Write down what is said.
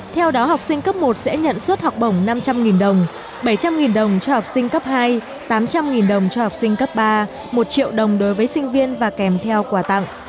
theo đó học sinh cấp một sẽ nhận suất học bổng năm trăm linh đồng bảy trăm linh đồng cho học sinh cấp hai tám trăm linh đồng cho học sinh cấp ba một triệu đồng đối với sinh viên và kèm theo quà tặng